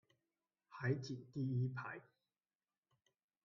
海景第一排